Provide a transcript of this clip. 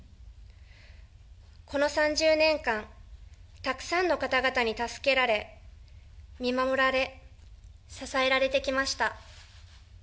この３０年間、たくさんの方々に助けられ、見守られ、支えられてきました。